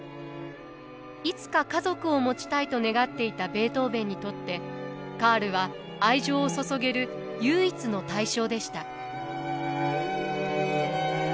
いつか家族を持ちたいと願っていたベートーヴェンにとってカールは愛情を注げる唯一の対象でした。